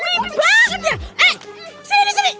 pak gresik sini pak gresik